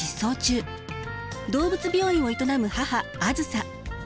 動物病院を営む母あづさ。